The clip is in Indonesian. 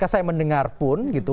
saya mendengar pun gitu